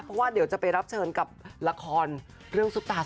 เพราะว่าเดี๋ยวจะไปรับเชิญกับละครเรื่องซุปตา